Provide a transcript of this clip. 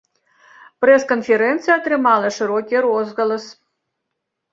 Прэс-канферэнцыя атрымала шырокі розгалас.